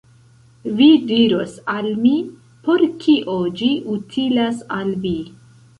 Vi diros al mi, por kio ĝi utilas al vi.